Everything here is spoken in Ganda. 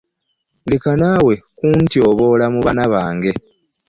Leka naawe kuntyoboola mu baana bange.